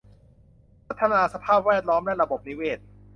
พัฒนาสภาพแวดล้อมและระบบนิเวศ